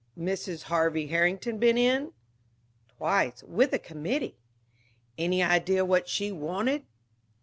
"Mrs. Harvey Herrington been in?" "Twice with a committee." "Any idea what she wanted?"